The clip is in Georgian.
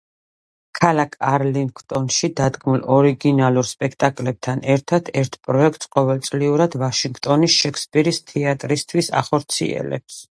ქალაქ არლინგტონში დადგმულ ორიგინალურ სპექტაკლებთან ერთად, ერთ პროექტს ყოველწლიურად ვაშინგტონის შექსპირის თეატრისთვის ახორციელებს.